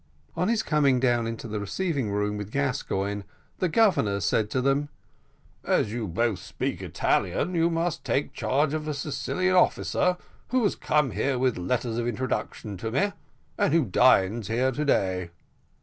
On his coming down into the receiving room with Gascoigne, the Governor said to them: "As you two both speak Italian, you must take charge of a Sicilian officer who has come here with letters of introduction to me, and who dines here to day."